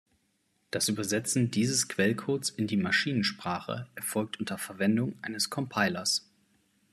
Das Übersetzen dieses Quellcodes in die Maschinensprache erfolgt unter Verwendung eines Compilers.